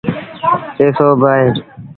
ٽي سو با اهي۔